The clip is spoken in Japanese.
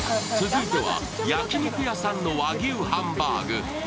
続いては焼き肉屋さんの和牛ハンバーグ。